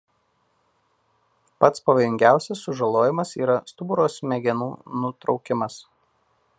Pats pavojingiausias sužalojimas yra stuburo smegenų nutraukimas.